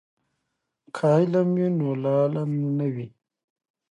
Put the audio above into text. که علم وي نو لاله نه وي.